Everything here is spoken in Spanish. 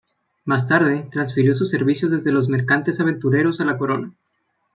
Más tarde, transfirió sus servicios desde los mercantes aventureros a la Corona.